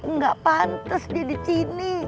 nggak pantes dia di sini